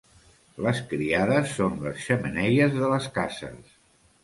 Les criades són les xemeneies de les cases.